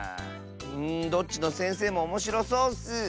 うんどっちのせんせいもおもしろそうッス！